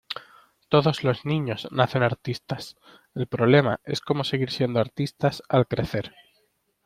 Todos los niños nacen artistas. El problema es cómo seguir siendo artistas al crecer.